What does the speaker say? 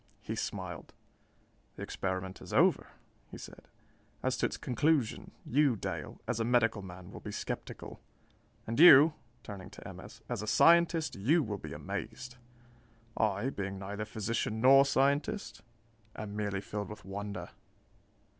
He smiled. "The experiment is over," he said. "As to its conclusion, you, Dale, as a medical man, will be sceptical. And you" turning to M. S. "as a scientist you will be amazed. I, being neither physician nor scientist, am merely filled with wonder!"